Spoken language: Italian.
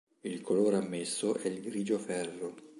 Il colore ammesso è il grigio ferro.